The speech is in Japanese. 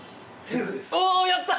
おぉやった！